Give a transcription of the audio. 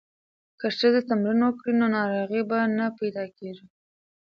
که ښځې تمرین وکړي نو ناروغۍ به نه پیدا کیږي.